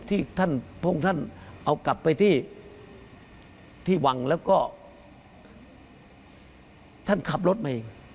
ที่พวกท่านเอากลับไปที่วังแล้วก็ท่านขับรถมาเอง